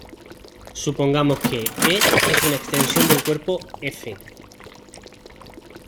Supongamos que "E" es una extensión del cuerpo "F".